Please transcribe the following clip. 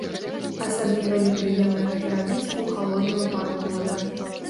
Асабліва непрыемна гэта рабіць у халодную пару года.